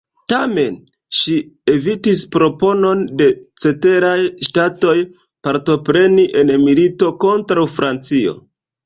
Tamen ŝi evitis proponon de ceteraj ŝtatoj partopreni en milito kontraŭ Francio.